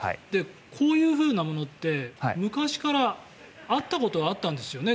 こういうふうなものって昔からあったことがあったんですね